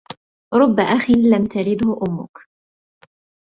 ربّ أخٍ لك لم تلده أمك.